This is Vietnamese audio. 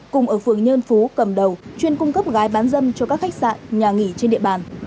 cùng ở phường nhơn phú cầm đầu chuyên cung cấp gái bán dâm cho các khách sạn nhà nghỉ trên địa bàn